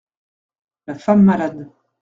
La femme malade.